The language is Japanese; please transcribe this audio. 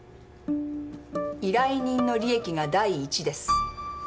依頼人の利益が第一です。